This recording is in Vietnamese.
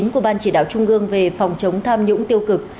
của ban chỉ đạo trung ương về phòng chống tham nhũng tiêu cực